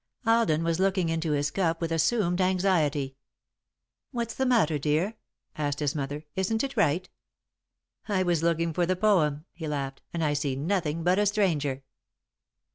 Alden was looking into his cup with assumed anxiety. [Sidenote: In the Bottom of the Cup] "What's the matter, dear?" asked his mother. "Isn't it right?" "I was looking for the poem," he laughed, "and I see nothing but a stranger."